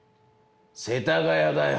世田谷だよ！